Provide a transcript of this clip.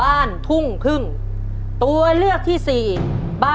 จิตตะสังวโรครับ